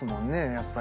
やっぱり。